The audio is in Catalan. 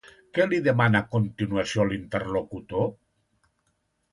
Què li demana a continuació l'interlocutor?